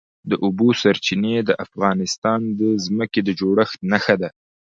د اوبو سرچینې د افغانستان د ځمکې د جوړښت نښه ده.